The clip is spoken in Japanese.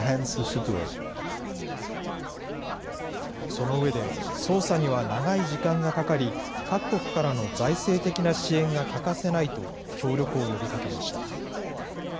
その上で、捜査には長い時間がかかり、各国からの財政的な支援が欠かせないと協力を呼びかけました。